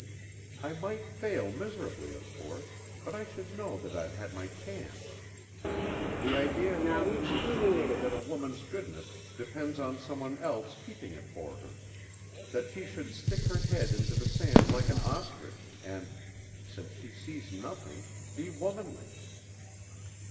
"I might fail miserably, of course, but I should know that I'd had my chance. The idea at home seems to be that a woman's goodness depends on someone else keeping it for her: that she should stick her head into the sand like an ostrich and, since she sees nothing, be womanly.